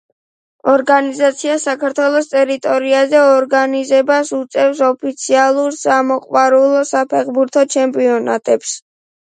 ორგანიზაცია საქართველოს ტერიტორიაზე ორგანიზებას უწევს ოფიციალურ სამოყვარულო საფეხბურთო ჩემპიონატებს.